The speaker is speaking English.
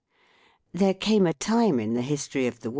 There came a time in the history of the world FIG.